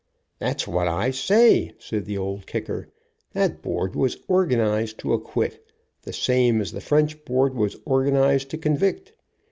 'That's what I say," said the Old Kicker. "That board was organized to acquit, the same as the French board was organized to convict.